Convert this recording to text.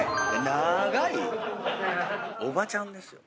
長い⁉おばちゃんですよ